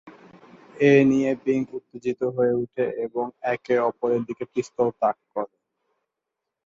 এ নিয়ে পিংক উত্তেজিত হয়ে উঠে এবং একে অপরের দিকে পিস্তল তাক করে।